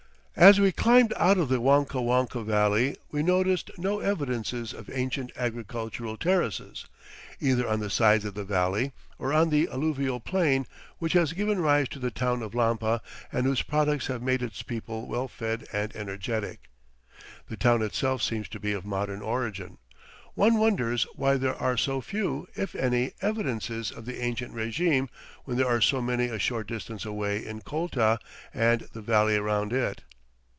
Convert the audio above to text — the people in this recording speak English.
As we climbed out of the Huancahuanca Valley we noticed no evidences of ancient agricultural terraces, either on the sides of the valley or on the alluvial plain which has given rise to the town of Lampa and whose products have made its people well fed and energetic. The town itself seems to be of modern origin. One wonders why there are so few, if any, evidences of the ancient régime when there are so many a short distance away in Colta and the valley around it.